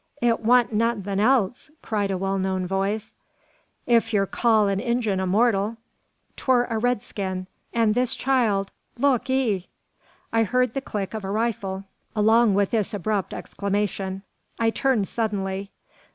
"It wa'n't nuthin' else," cried a well known voice, "ef yur call an Injun a mortal. 'Twur a red skin, and this child look 'ee e!" I heard the click of a rifle along with this abrupt exclamation. I turned suddenly.